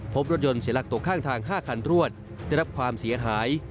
พบรถยนต์เสียหลักตกข้างทาง๕คันรวดได้รับความเสียหาย